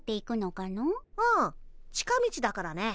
うん近道だからね。